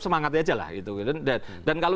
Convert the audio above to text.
semangat aja lah gitu dan kalau